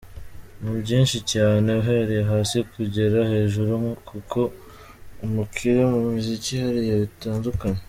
Ni byinshi cyane! Uhereye hasi kugera hejuru kuko umukire mu muziki hariya bitandukanye.